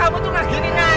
kamu tuh ngerginin aja